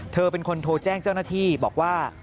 เธอเป็นคนโทรแจ้งเจ้าหน้าที่บอกว่า